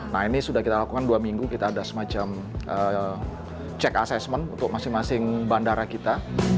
nah ini sudah kita lakukan dua minggu kita ada semacam cek assessment untuk masing masing bandara kita